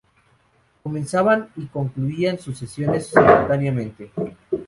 Comenzaban y concluían sus sesiones simultáneamente.